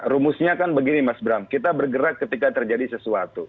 rumusnya kan begini mas bram kita bergerak ketika terjadi sesuatu